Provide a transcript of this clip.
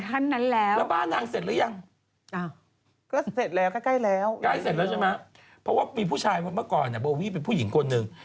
เพราะว่ามีผู้ชายเมื่อก่อนโบวี่เป็นผู้หญิงคนหนึ่ง